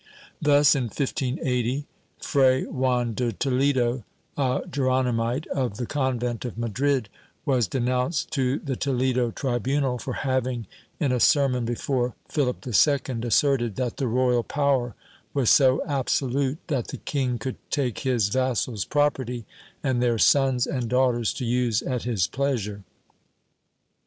Thus, in 1580, Fray Juan de Toledo, a Geronimite of the convent of I\Iadrid, was denounced to the Toledo tribunal for having, in a sermon before Philip II, asserted that the royal power was so absolute that the king could take his vassals' property and their sons and daughters to use at his pleasure.